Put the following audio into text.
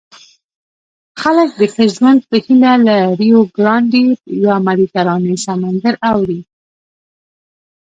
خلک د ښه ژوند په هیله له ریوګرانډي یا مدیترانې سمندر اوړي.